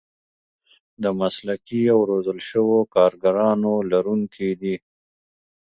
د مسلکي او روزل شوو کارګرانو لرونکي دي.